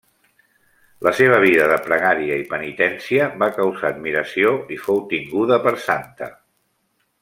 La seva vida de pregària i penitència va causar admiració i fou tinguda per santa.